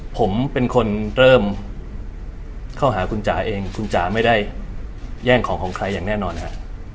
ผมเป็นคนเริ่มเข้าหาคุณจ๋าเองคุณจ๋าไม่ได้แย่งของของใครอย่างแน่นอนฮะ